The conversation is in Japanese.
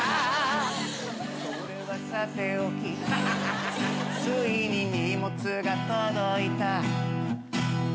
「それはさておきついに荷物が届いた」